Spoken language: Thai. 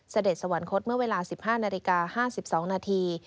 เสด็จสวรรคตเมื่อเวลา๑๕นาฬิกา๕๒นาที